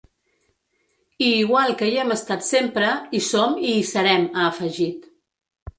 I igual que hi hem estat sempre, hi som i hi serem, ha afegit.